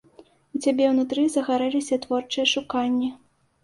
У цябе ўнутры загарэліся творчыя шуканні.